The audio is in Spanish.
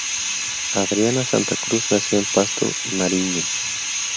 Adriana Santacruz nació en Pasto, Nariño.